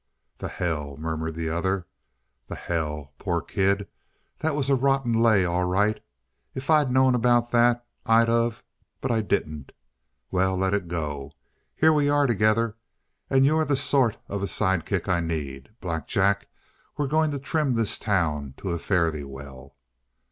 "The hell!" murmured the other. "The hell! Poor kid. That was a rotten lay, all right. If I'd known about that, I'd of but I didn't. Well, let it go. Here we are together. And you're the sort of a sidekick I need. Black Jack, we're going to trim this town to a fare thee well!"